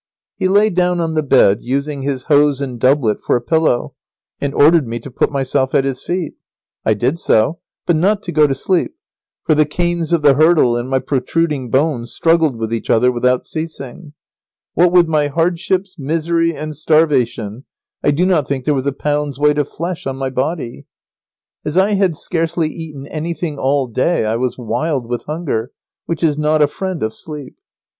He lay down on the bed, using his hose and doublet for a pillow, and ordered me to put myself at his feet. I did so, but not to go to sleep, for the canes of the hurdle and my protruding bones struggled with each other without ceasing. What with my hardships, misery, and starvation I do not think there was a pound's weight of flesh on my body. [Sidenote: A very bad night.] As I had scarcely eaten anything all day I was wild with hunger, which is not a friend of sleep.